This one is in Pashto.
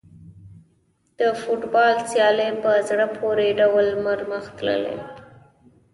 د فوټبال سیالۍ په زړه پورې ډول پرمخ تللې.